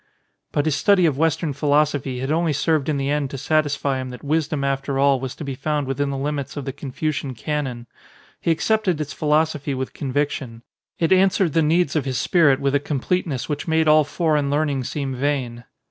But his study of Western philosophy had only served in the end to satisfy him that wisdom after all was to be found within the limits of the Con fucian canon. He accepted its philosophy with conviction. It answered the needs of his spirit with a completeness which made all foreign learn ing seem vain.